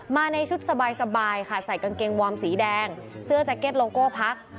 ในชุดสบายค่ะใส่กางเกงวอร์มสีแดงเสื้อแจ็คเก็ตโลโก้พัก